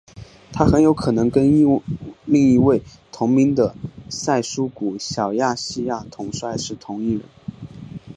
他很有可能跟另一位同名的塞琉古小亚细亚统帅是同一人。